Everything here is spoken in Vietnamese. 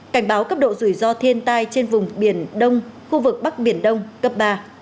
cảnh báo cấp độ rủi ro thiên tai trên vùng biển đông khu vực bắc biển đông cấp ba